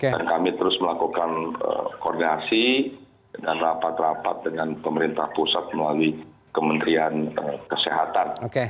dan kami terus melakukan koordinasi dan rapat rapat dengan pemerintah pusat melalui kementerian kesehatan